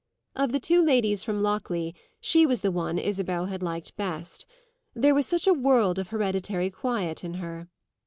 Of the two ladies from Lockleigh she was the one Isabel had liked best; there was such a world of hereditary quiet in her.